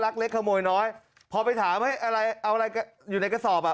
เล็กขโมยน้อยพอไปถามเฮ้ยอะไรเอาอะไรอยู่ในกระสอบอ่ะ